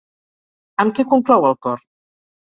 Amb què conclou el cor?